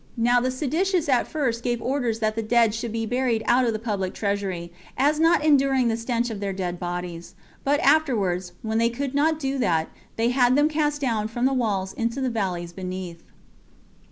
Now the seditious at first gave orders that the dead should be buried out of the public treasury, as not enduring the stench of their dead bodies. But afterwards, when they could not do that, they had them cast down from the walls into the valleys beneath.